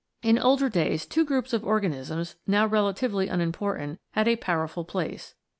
In older days, two groups of organisms, now relatively unimportant, had a powerful place.